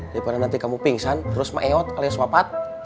daripada nanti kamu pingsan terus maeot alias wapat